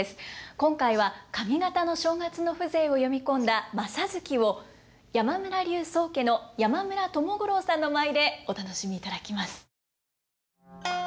今回は上方の正月の風情を詠み込んだ「正月」を山村流宗家の山村友五郎さんの舞でお楽しみいただきます。